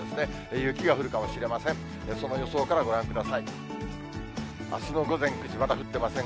雪が降るかもしれません。